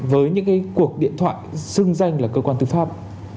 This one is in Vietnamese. với những cái cuộc điện thoại xưng danh là cơ quan tư pháp